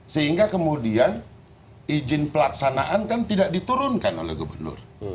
sehingga kemudian izin pelaksanaan kan tidak diturunkan oleh gubernur